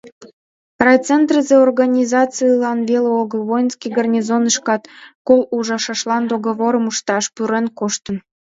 Райцентрысе организацийлаш веле огыл, воинский гарнизонышкат «кол ужалашлан договорым ышташ» пурен коштын.